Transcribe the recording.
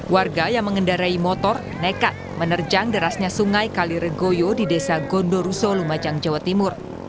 warga yang mengendarai motor nekat menerjang derasnya sungai kaliregoyo di desa gondoruso lumajang jawa timur